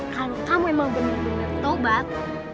kalau kamu emang bener bener tobat